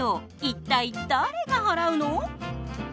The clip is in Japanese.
一体誰が払うの？